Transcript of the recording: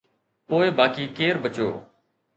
پوءِ باقي ڪير بچيو؟